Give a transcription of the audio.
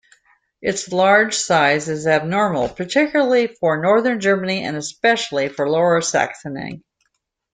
Its large size is abnormal, particularly for northern Germany and especially for Lower Saxony.